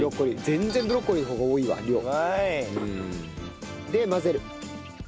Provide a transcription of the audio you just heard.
全然ブロッコリーの方が多いわ量。で混ぜる。